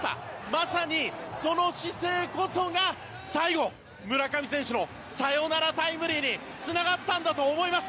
まさにその姿勢こそが最後、村上選手のサヨナラタイムリーにつながったんだと思います。